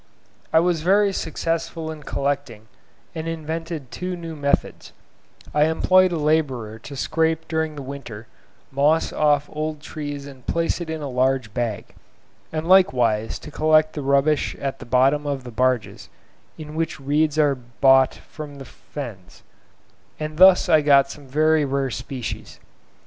I was very successful in collecting, and invented two new methods; I employed a labourer to scrape during the winter, moss off old trees and place it in a large bag, and likewise to collect the rubbish at the bottom of the barges in which reeds are brought from the fens, and thus I got some very rare species.